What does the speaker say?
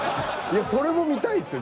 それも見たいですよ